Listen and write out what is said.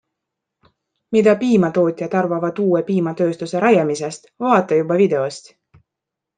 Mida piimatootjad arvavad uue piimatööstuse rajamisest, vaata juba videost!